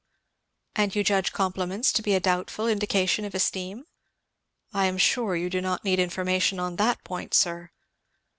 "And you judge compliments to be a doubtful indication of esteem?" "I am sure you do not need information on that point, sir."